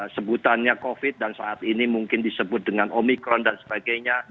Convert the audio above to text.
sebutannya covid dan saat ini mungkin disebut dengan omikron dan sebagainya